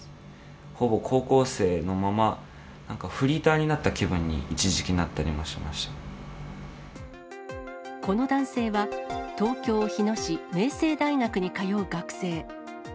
ほぼ高校生のまま、なんかフリーターになった気分に、この男性は、東京・日野市、明星大学に通う学生。